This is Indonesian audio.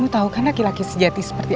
tapi sebenernya saya dapat ya